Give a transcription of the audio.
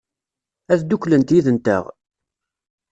Ad dduklent yid-nteɣ?